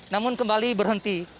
namun kembali berhenti